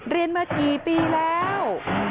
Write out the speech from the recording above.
เรียนมากี่ปีแล้ว